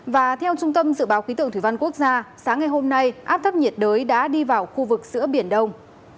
và theo trung tâm dự báo khí tượng thủy văn quốc gia sáng ngày hôm nay áp thấp nhiệt đới đã đi vào khu vực giữa biển đông